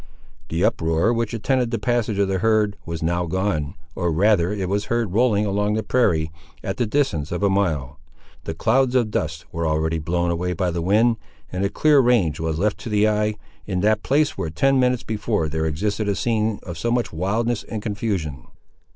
The uproar, which attended the passage of the herd, was now gone, or rather it was heard rolling along the prairie, at the distance of a mile. The clouds of dust were already blown away by the wind, and a clear range was left to the eye, in that place where ten minutes before there existed a scene of so much wildness and confusion.